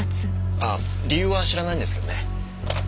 ああ理由は知らないんですけどね。